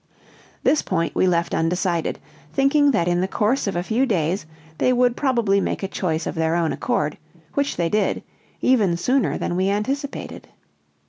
This point we left undecided, thinking that in the course of a few days they would probably make a choice of their own accord, which they did, even sooner than we anticipated.